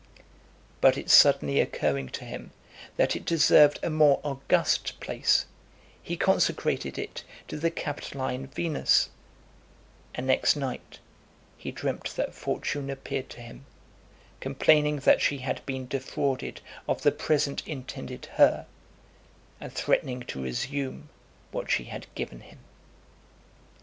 But it suddenly occurring to him that it deserved a more august place, he consecrated it to the Capitoline Venus; and next night, he dreamt that Fortune appeared to him, complaining that she had been defrauded of the present intended her, and threatening to resume what she had given him.